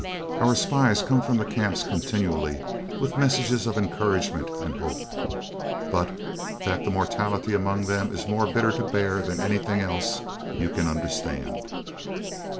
Our spies come from the Camps continually with messages of encouragement and hope; but that the mortality among them is more bitter to bear than anything else, you can understand...."